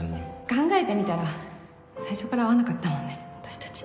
考えてみたら最初から合わなかったもんね私たち。